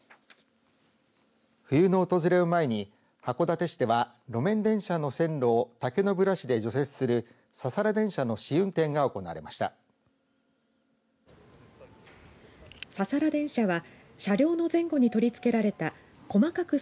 冬の訪れを前に函館市では、路面電車の線路を竹のブラシで除雪するササラ電車の試運転が行われました。